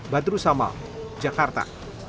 badrus amal jakarta